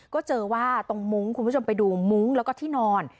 ก็เจอว่าตรงมุ้งคุณผู้ชมไปดูมุ้งแล้วก็ที่นอน